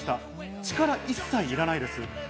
力は一切いらないんです。